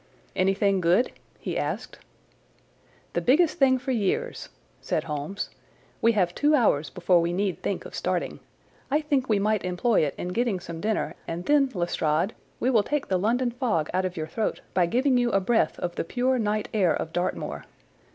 "Anything good?" he asked. "The biggest thing for years," said Holmes. "We have two hours before we need think of starting. I think we might employ it in getting some dinner and then, Lestrade, we will take the London fog out of your throat by giving you a breath of the pure night air of Dartmoor.